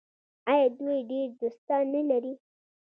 آیا دوی ډیر دوستان نلري؟